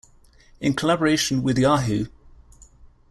In collaboration with Yahoo!